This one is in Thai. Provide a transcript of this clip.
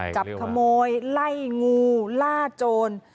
จับขโมยไล่งูล่าโจร